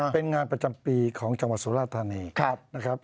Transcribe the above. เป็นงานประจำปีของจังหวัดสุราธานีนะครับ